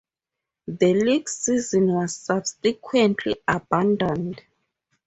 The league season was subsequently abandoned.